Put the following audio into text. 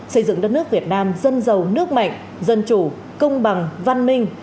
xây dựng đất nước việt nam dân giàu nước mạnh dân chủ công bằng văn minh